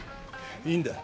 いいんだ。